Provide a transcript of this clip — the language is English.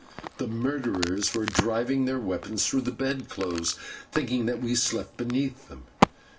The murderers were driving their weapons through the bed clothes, thinking that we slept beneath them.